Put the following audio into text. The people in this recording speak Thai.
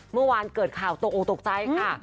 เมื่อวานเกิดข่าวตกออกตกใจค่ะ